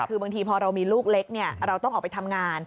คือบางทีพอเรามีลูกเล็กเราต้องออกไปทำงาน